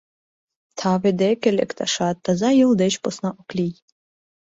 Таве деке лекташат таза йол деч посна ок лий.